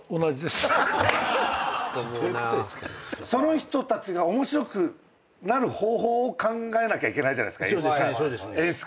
その人たちが面白くなる方法を考えなきゃいけないじゃないすか演出家としては。